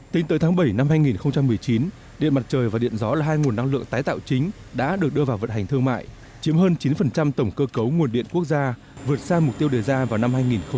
tính tới tháng bảy năm hai nghìn một mươi chín điện mặt trời và điện gió là hai nguồn năng lượng tái tạo chính đã được đưa vào vận hành thương mại chiếm hơn chín tổng cơ cấu nguồn điện quốc gia vượt xa mục tiêu đề ra vào năm hai nghìn hai mươi